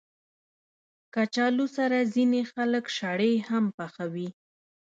کچالو سره ځینې خلک شړې هم پخوي